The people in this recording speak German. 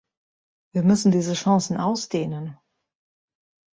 Wir müssen diese Chancen ausdehnen.